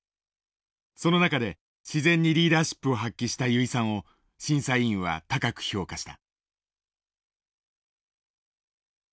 その中で自然にリーダーシップを発揮した油井さんを審査委員は高く評価した。